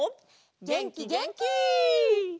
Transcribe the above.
げんきげんき！